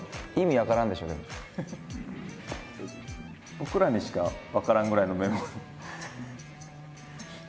僕らにしか分からんぐらいのメモ。